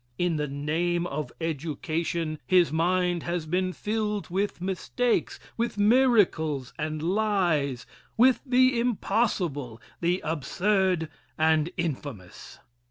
In the name of education his mind has been filled with mistakes, with miracles, and lies, with the impossible, the absurd and infamous.